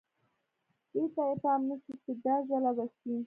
دې ته یې پام نه شو چې دا ځاله به شي.